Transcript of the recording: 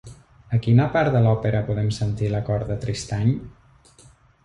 A quina part de l'òpera podem sentir l'«acord de Tristany»?